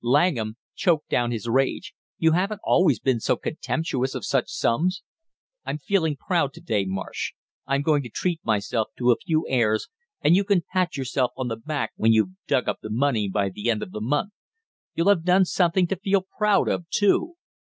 Langham choked down his rage. "You haven't always been so contemptuous of such sums." "I'm feeling proud to day, Marsh. I'm going to treat myself to a few airs, and you can pat yourself on the back when you've dug up the money by the end of the month! You'll have done something to feel proud of, too."